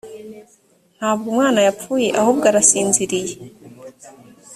ntabwo umwana yapfuye ahubwo arasinziriye